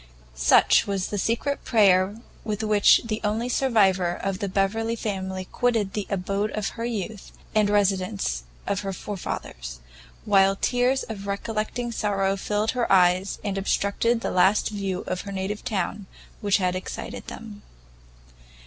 Such was the secret prayer with which the only survivor of the Beverley family quitted the abode of her youth, and residence of her forefathers; while tears of recollecting sorrow filled her eyes, and obstructed the last view of her native town which had excited them.